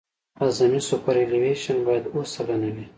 اعظمي سوپرایلیویشن باید اوه سلنه وي